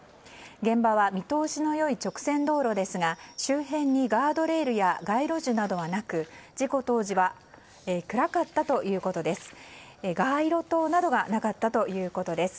現場は見通しの良い直線道路ですが周辺にガードレールや街路樹などはなく事故当時は暗かったということです。